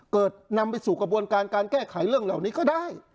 นำไปสู่กระบวนการการแก้ไขเรื่องเหล่านี้ก็ได้